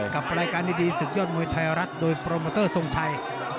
กลับไปรายการดีสุดยอดมวยไทยรัฐโดยโปรเมอเตอร์ส่งชัย